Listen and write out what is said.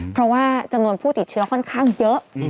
เพราะว่าจำนวนผู้ติดเชื้อค่อนข้างเยอะ